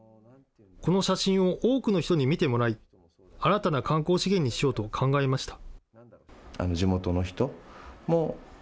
この写真を多くの人に見てもらい、新たな観光資源にしようと考えました。